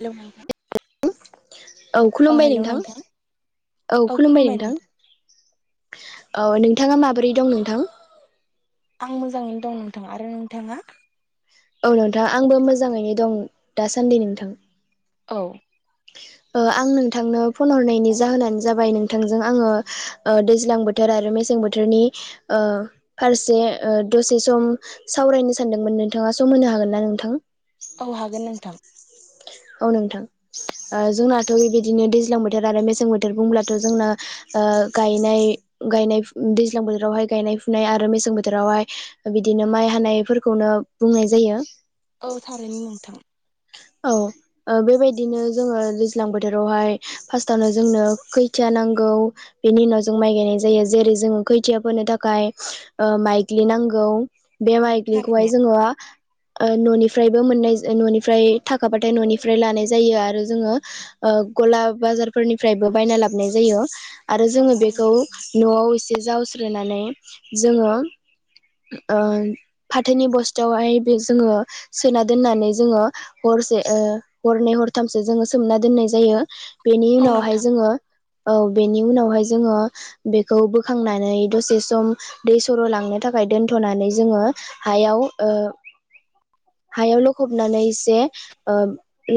Hello नोंथां औ अ खुलुमबाय हेलौ नोंथां औ खुलुमबाय नोंथां अ नोंथाङा माबोरै दं नोंथां? आं मोजाङैनो दं नोंथाङा आरो नोंथाङा? औ नोंथां आंबो मोजाङैनो दं दासान्दि नोंथां। औ। औ ओ आं नोंथांनो फन हरनायनि जाहोनानो जाबाय नोंथांजों आङो ओ दैज्लां बो थोर आरो मेसें बोथोरनि ओ फारसे ओ दसे सम सावरायनो सानदोंमोन नोंथाङा सम होनो हागोन ना नोंथां? औ हागोन नोंथां। औ नोंथां। ओ जोंनाथ' बेबायदिनो दैज्लां बोथोर आरो मेसें बोथोर बुंब्लाथ' जोंना ओ गायनाय गायनाय दैज्लां बोथोरावहाय गायनाय फुनाय आरो मेसें बोथोरावहाय बिदिनो माइ हानायफोरखौनो बुंनाय जायो। औ थारैनो नोंथां। औ ओ बेबायदिनो जोङो दैज्लां बोथोरावहाय फार्स्टआवनो जोंनो खैथिया नांगौ बेनि उनाव जों माइ गायनाय जायो। जेरै जोङो खैथिया फोनो थाखाय ओ माइग्लि नांगौ। बे औ थारैनो माग्लिखौहाय जोङो ओ न'निफ्रायबो मोननाय न'नि फ्राय थाखाफाथाय न'निफ्राय लानाय जायो आरो जोङो। ओ गला बाजारफोरनिफ्रायबो बायना लाबनाय जायो। आरो औ जोङो थारैनो बेखौ नोंथां न'आव एसे जावस्रोनानै जोङो ओन फाथोनि बस्थायावहाय बे जोङो सोना दोननानै जोङो हरसे ओ हरनै हरथामसो जोङो सोमना दोननाय जायो। बेनि औ उनावहाय नोंथां जोङो औ बेनि उनावहाय जोङो बेखौ बोखांनानै दसे सम दै सर' लांनो थाखाय दोनथ'नानै जोङो हायाव ओ हायाव लखबनानै एसे ओ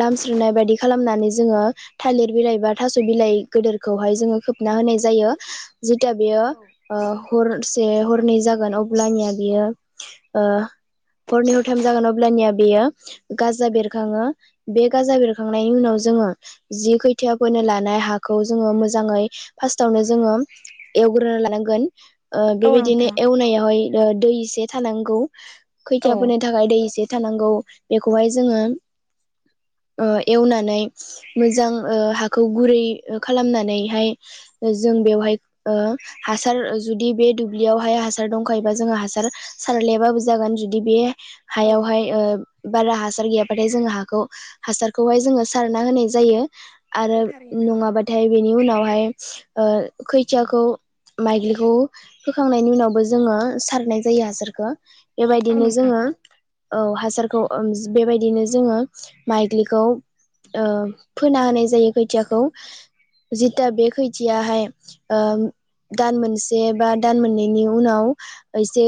लामस्रिनाय बायदि खालामनानै जोङो थालिर बिलाइ बा थास' बिलाइ गदोरखौहाय जोङो खोबना होनाय जायो‌ जिथिया बेयो औ ओ हरसे हरनै जा अब्लानिया बेयो ओ हरनै हरथाइम जागोन अब्लानिया बेयो गाजा बेरखाङो बे गाजा बेरखांनायनि उनाव जोङो जि खैथियाफोरनो लानाय हाखौ जोङो मोजाङै फार्स्टावनो जोङो एवगुर लानांगोन‌ ओ औ बेबायदिनो नोंथां एवनायावहाय ओ दै एसे थानांगौ। औ खैथिया फोनो थाखाय दै एसे थानांगौ‌। बेखौहाय जोङो ओ एवनानै मोजां ओ हाखौ गुरै खालामनानैहाय जों बेवहाय ओ हासार जुदि बे दुब्लियावहाय हा सार दंखायोबा जोङो हासार सारलायाबाबो जागोन जुदि बे औ हायावहाय बारा हासार गैयाबाथाय जोंङो हा सारखौहाय जोङो सारना होनाय जायो। आरो औ थारैनो नोंथां नङाबाथाय बेनि उनावहाय ओ खैथियाखौ माइग्लिखौ फोखांनायनि उनावबो जोङो सारनाय जायो हासारखौ। औ बेबायदिनो नोंथां जोङो औ हासारखौ बेबायदिनो जोङो माइग्लिखौ ओ फोना होनाय जायो खोथियाखौ। जिथा औ बे खैथियाहाय ओम दान मोनसे बा दान मोननैनि उनाव एसे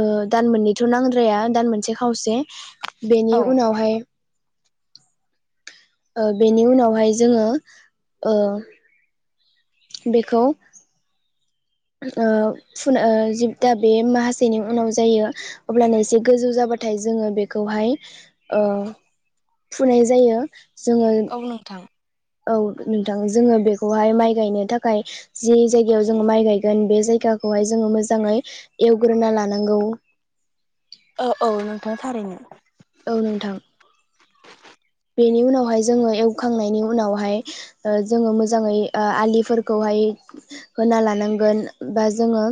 ओ दान मोननैथ' नांद्राया दान मोनसे खावसे बेनि औ उनावहाय ओ बेनि उनावहाय जोङो ओ बेखौ ओ फुुन जिबथा बे माहासेनि उनाव जायो अब्लानो एसे गोजौ जाबाथाय जोङो बेखौहाय ओ फुनाय जायो जोङो औ नोंथां औ नोंथां जोङो बेखौहाय माइ गायनो थाखाय जि जायगायाव जोंङो माइ गाय गोन बे जायगाखौहाय जोङो मोजाङै एवग्रोना लानांगौ औ औ नोंथाङा थारैनो औ नोंथां बेनि उनावहाय जोङो एवखांनायनि उनावहाय ओ जोङो मोजाङै आ आलिफोरखौहाय होना लानांगोन बा जोङो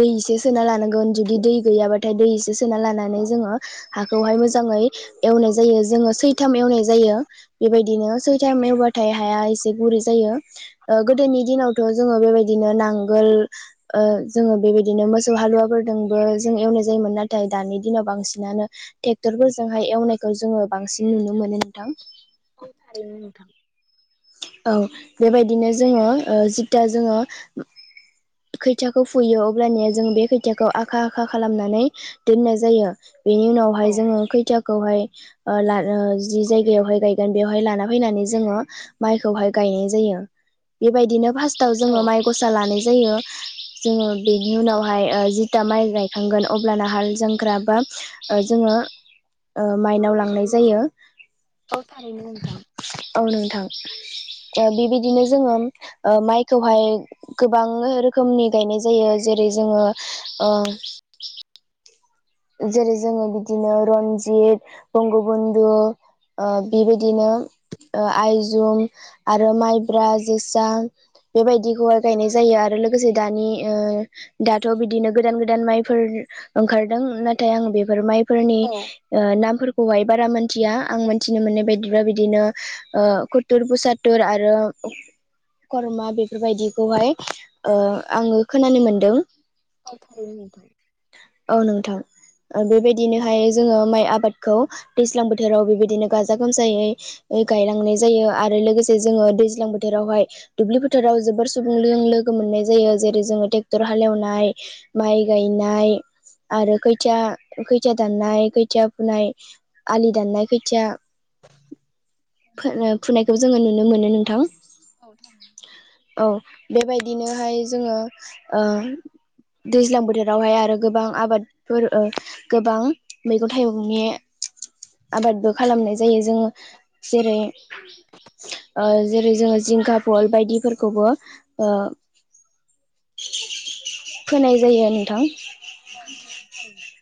दै एसे सोना लानांगोन जुदि दै गैयाबाथाय दै एसे सोना लानानै जोङो हाखौहाय मोजाङै एवनाय जायो जोङो सैथा जायो बेबायदिनो सैथा एवबाथाय हाया एसे गुरै जायो। ओ गोदोनि दिनावथ' जोङो बेबायदिनो नांगोल ओ जोङो बेबायदिनो मोसौ हालुवाफोरजोंबो जों एवनाय जायोमोन नाथाय नाथाय दानि दिनाव औ बांसिनानो ट्रेक्टरफोरजोंहाय एवनायखौ जोङो बांसिन नुनो मोनो नोंथां। औ थारैनो नोंथां औ बेबायदिनो जोङो ओ जिता जोङो खैथाखौ फुयो अब्लानिया जों बे खैथाखौ आखा आखा खालामनानै दोननाय जायो। बेनि औ उनावहाय जोङो खैथा खौहाय ला जि जायगायावहाय गायगोन बेवहाय लाना फैनानै जोङो माइखौहाय गायनाय जायो बेबायदिनो फार्स्टाव औ जोङो माइ गसा लानाय जायो। जोङो बेनि उनावहाय ओ जिथा माइ गायखांगोन अब्लाना हाल जांख्रा बा ओ जोङो ओ माइनाव लांनाय जायो। औ थारैनो होनथां औ नोंथां ओ बेबायदिनो जोङो माइखौहाय गोबां रोखोम रोखोमनि गायनाय जायो जेरै जोङो ओ जेरै जोङो बिदिनो रन्जित बंगबन्धु ओ बेबायदिनो ओ आइजुम आरो माइब्रा जोसा बेबायदिखौहाय गायनाय जायो आरो लोगोसे दानि ओ दाथ' बिदिनो गोदान गोदान माइफोर ओंखारदों नाथाय आं बेफोर माइफोरनि औ ओ नामफोरखौहाय बारा मोनथिया आं मिथिनो मोननाय बायदिब्ला बिदिनो ओ ुर फुसादटुर आरो करमा बेफोरबायदिखौहाय ओ आङो खोनानो मोनदों औ थारि नोंथां औ नोंथां ओ बेबायदिनोहाय जोङो माइ आबादखौ दैज्लां बोथोराव बेबायदिनो गाजा गोमजायै गायलांनाय जायो आरो लोगोसे जोङो दैज्लां बोथोरावहाय दुब्लि फोथाराव जोबोर सुबुं लोगो मोननाय जायो जेरै जोङो ट्रेक्टर हालेवनाय माइ गायनाय आरो खैथिया खैथिया दाननाय खैथिया फुनाय आलि दाननाय खोथिया बोनो फुनायखौ जोङो नुनो मोनो नोंथां। औ थार औ बेबायदिनोहाय जोङो ओ दैज्लां बोथोरावहाय आरो गोबां आबाद फोर ओ गोबां मैगं थाइगंनि आबादबो खालामनाय जायो जोङो जेरै ओ जेरै जोङो जिंखा फल बायदिफोरखौबो फोनाय जायो नोंथां। [unintelligible] थारैनो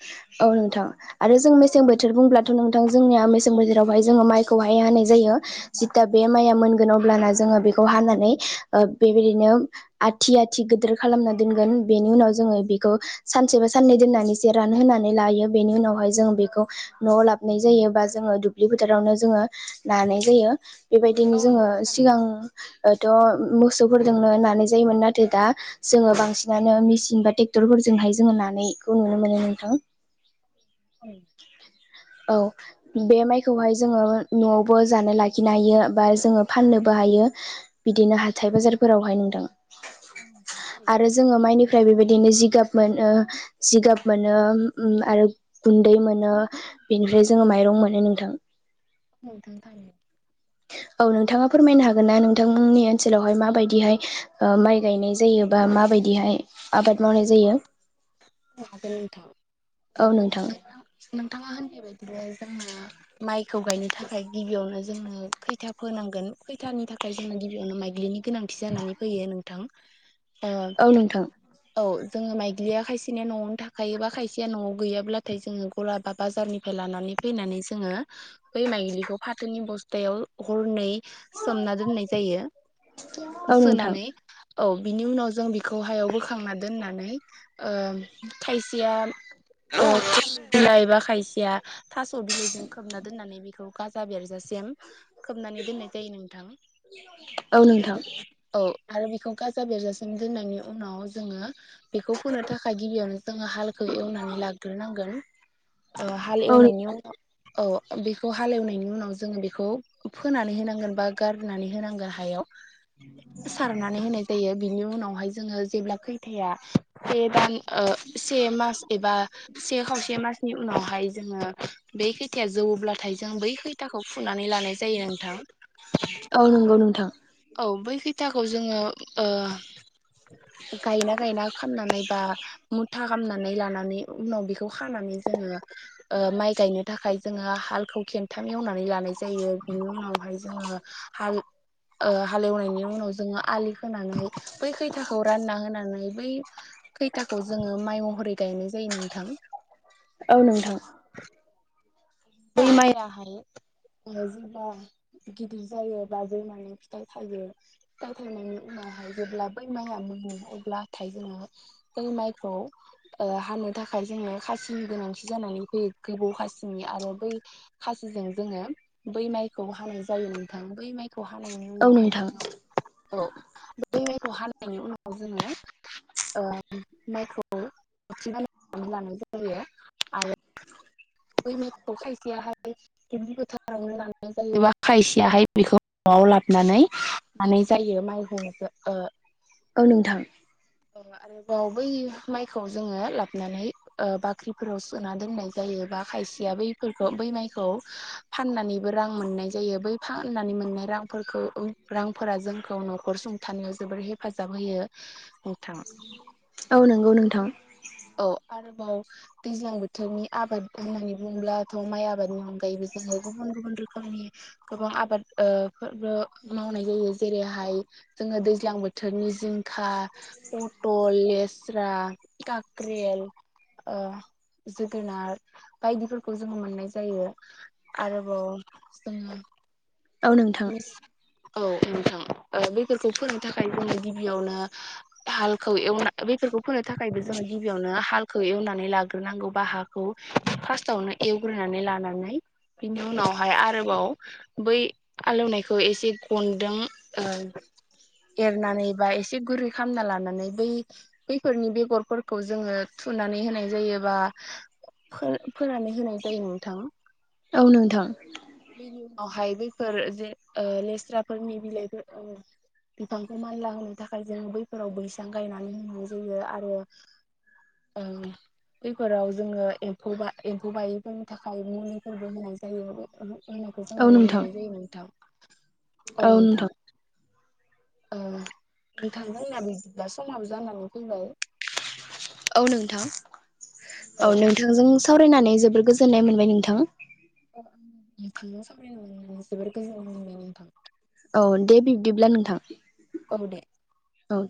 औ नोंथां आरो जों मेसें बोथोर बुंब्लाथ' नोंथां जोंनिया मेसें बोथोरावहाय जोङो माइखौहाय हानाय जायो जिथा बे औ माइया मोनगोन अब्लाना जोङो बेखौ हानानै बेबायदिनो आथि आथि गिदिर खालामना दोनगोन बेनि उनाव जोङो बेखौ सानसेबा साननै दोननानै एसो रानहोनानै लायो बेनि उनावहाय जों बेखौ नवाव लाबनाय जायो बा जोङो दुब्लि फोथारावनो जोङो नानाय जायो बेबायदिनो औ जोङो नोंथां थारैनो सिगांथ' मोसौफोरजोंनो नानाय जायोमोन नाथाय दा जोङो बांसिनानो मेसिन बा ट्रेक्टरफोरजोंहाय जोङो नानायखौ नुनो मोनो नोंथां औ औ बे माइखौहाय जोङो न'आवबो जानो लाखिनो हायो बा जोङो फाननोबो हायो बिदिनो हाथाय बाजारफोरावहाय नोंथां। आरो [unintelligible] जोङो माइनिफ्राय बेबायदिनो जिगाब मोनो जिगाब मोनो ओम आरो गुन्दै मोनो बेनिफ्राय जोङो माइरं मोनो नोंथां औ नोंथां थारैनो औ नोंथाङा फोरमायनो हागोनना नोंथांमोननि ओनसोलावहाय माबायदिहाय ओ माइ गायनाय जायो बा माबायदिहाय आबाद मावनाय जायो हागोन नोंथां नोंथाङा होननाय बायदिनो जोंना माइखौ गायनो थाखाय गिबियावनो जोंनो खैथा फोनांगोन खैथानि थाखाय जोंना गिबियावनो माइलिनि गोनांथि जानानै फैयो नोंथां ओ औ नोंथां औ जोङो माइग्लिया खायसे खायसेनिया न'आवनो थाखायो बा खायसेया न'आव गैयाब्लाथाय जोङो गला बा बाजारनिफ्राय लानानै फैनानै जोङो बै माइलिखौ फाथोनि बस्थायाव हरनै सोमना दोननाय जायो औ नोंथां सोनानै औ बिनि उनाव जों बेखौ हायाव बोखांना दोननानै थायसेया [inaudible] बिलाइबा खायसेया थास' बिलाइजों खोबना दोननानै बेखौ गाजा बेरजासिम खोबनानै दोननाय जायो नोंथां औ नोंथां औ आरो बेखौ गाजा बेरजासिम दोननायनि उनाव जोङो बेखौ फोनो थाखाय गिबियावनो जोङो हालखौ एवनानै लाग्रोनांगोन हाल औ एवनायनि उनाव औ बेखौ हालेवनायनि उनाव जोङो बेखौ फोनानै होनांगोन बा गारनानै होनांगोन हायाव सारनानै होनाय जायो बिनि उनावहाय जोङो जेब्ला खैथाया [unintelligible] से मास एबा से खावसे मासनि उनावहाय जोङो बेै खैथाया जौब्लाथाय जों बै खैथाखौ फुनानै लानाय जायो नोंथां औ नोंगौ नोंथां औ बै खैथाखौ जोङो ओ गायना गायना खामनानै बा मुथा खामनानै लानानै उनाव बेखौ खौ खानानै जोङो ओ माइ गायनो थाखाय जोङो हालखौ खेनथाम एवनानै लानाय जा जायो बिनि उनावहाय जोङो हाल ओ हालेवनायनि उनाव जोङो आलि होनानै बै खैथाखौ रानना होनानै बै खैथाखौ जोङो माइ महरै गायनाय जायो नोंथां औ नोंथां बै मायाहाय जेब्ला गिदिर जायो बा दैमानि फिथाइ थायो फिथाइ थायनायनि उनावहाय जेब्ला बै माइया मोनो अब्लाथाय जोङो बै माइखौ ओ हानो थाखाय जोङो खासिनि गोनांथि जानानै फैयो गोबौ खासिनि आरो बै खासिजों जोङो बै माइखौ हानाय जायो नोंथां बै माइखौ हानायनि औ उनावहाय नोंथां जोङो औ बेै माइखौ हानायनि उनाव जोङो ओम माइखौ [unintelligible] लानाय जायो आरो बै माइखौ खायसेयाहाय दलि गोथारावनो लाना जायोबा खायसेयाहाय बेखौ न'आव लाबोनानै मानाय जायो माइखौ ओ औ नोंथां। आरोबाव बै माइखौ जोङो लाबोनानै बाख्रिफोराव सोना दोननाय जायो बा खायसेया बैफोरखौ बै माइखौ फाननानैबो रां मोननाय जायो बै फाननानै मोननाय रांफोरखौ रांफोरा जोंखौ न'खर सं थानायाव जोबोर हेफाजाब होयो। नोंथां। औ नंगौ नोंथां। औ आरोबाव दैज्लां बोथोरनि आबाद होननानै बुङोबब्लाथ' माइ आबादनि अनगायैबो जोङो गुबुन गुबुन रोखोमनि गोबां आबाद फोरबो मावनाय जायो जेरैहाय जोङो दैज्लां बोथोरनि जिंखा पथल लेस्रा ग्रेल जोगोनार बायदिफोरखौ जोङो मोननाय जायो आरोबाव जों औ नोंथां औ नोंथां बेफोरखौ फोनो थाखाय जोंयो गिबियावनो हालखौ एवना बेफोरखौ फोनो थाखायबो जोङो गिबियावनो हालखौ एवनानै लाग्रोनांगौ बा हा खौ फार्स्टावनो एवग्रोनानै लानानै बिनि उनावहाय आरोबाव बै हालौनायखौ एसे गनदों ओ एरनानै बा एसे गुरै खालामना लानानै बै बेैफोरनि बेगरफोरखौ जोङो थुनानै होनाय जायोबा फोर-फोरनानै होनाय जायो नोंथां। औ नोंथां। बेनि उनावहाय बैफोर जे ओ लेस्राफोरनि बिलाइफोर बिफांखौ मानला होनो थाखाय जों बैफोराव बैसां गायनानै होनाय जायो आरो औ दे। बेफोराव जोङो एम्फौ एम्फौ बायिफोरनि थाखाय मुलिफोरबो होनाय जायो होननाखौ जों औ नुनो नोंथां मोननाय जायो नोंथां औ नोंथां। नोंथांमोनना बिदिब्ला समाबो जानानै फैबाय। औ नोंथां औ औ नोंथांजों सावरायनानै जोबोर गोजोननाय मोनबाय नोंथां। नोंथां' सामायनो जोबोर गोजोननाय मोनबाय नोंथां। औ दे बिब्दिब्ला नोंथां। औ दे। औ।